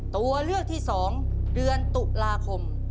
ตัวเลือกที่๒เดือนตุลาคม